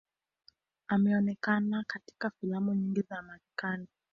Ameonekana katika filamu nyingi za Marekani.